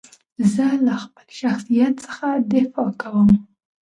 زه له خپل شخصیت څخه دفاع کوم.